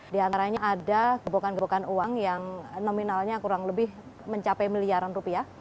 di antaranya ada gebokan gebokan uang yang nominalnya kurang lebih mencapai miliaran rupiah